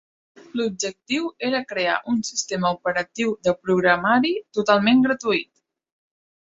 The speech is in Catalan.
L'objectiu era crear un sistema operatiu de programari totalment gratuït.